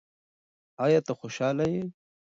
ایا ته خوشاله یې؟